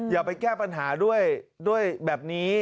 อย่าไปแก้ปัญหาด้วยแบบนี้